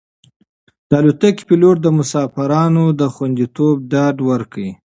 د الوتکې پېلوټ د مسافرانو د خوندیتوب ډاډ ورکړ.